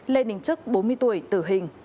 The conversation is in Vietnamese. lê đình trức bốn mươi tuổi tử hình